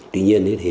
tuy nhiên thì